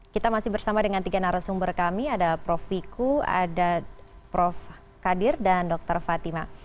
kita masih bersama dengan tiga narasumber kami ada prof viku ada prof kadir dan dr fatima